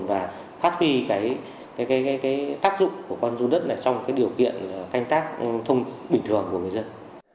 và phát huy cái tác dụng của con run đất này trong cái điều kiện canh tác thông bình thường của người dân